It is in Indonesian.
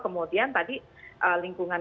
kemudian tadi lingkungan